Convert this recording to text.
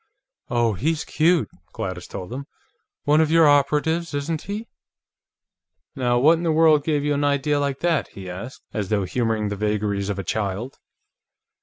"Oh, he's cute," Gladys told him. "One of your operatives, isn't he?" "Now what in the world gave you an idea like that?" he asked, as though humoring the vagaries of a child.